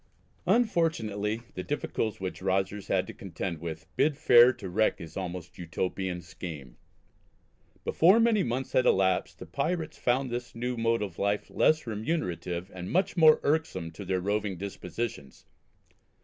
Unfortunately the difficulties which Rogers had to contend with bid fair to wreck his almost Utopian scheme. Before many months had elapsed the pirates found this new mode of life less remunerative and much more irksome to their roving dispositions.